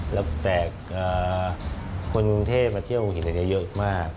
หลังจากคนกรุงเทพฯมาเที่ยวหัวหินในเทียงมาก